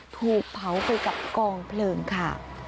ถูกเผาไปกับกองเพลิงค่ะ